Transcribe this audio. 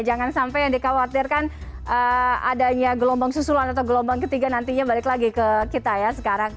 jangan sampai yang dikhawatirkan adanya gelombang susulan atau gelombang ketiga nantinya balik lagi ke kita ya sekarang